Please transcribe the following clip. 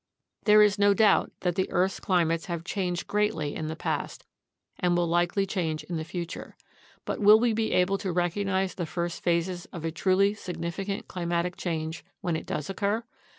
There is no doubt that the earth's climates have changed greatly in the past and will likely change in the future. But will we be able to recognize the first phases of a truly significant climatic change when it does occur?